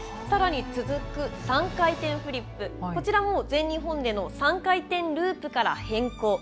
さらに続く３回転フリップ、こちらも全日本での３回転ループから変更。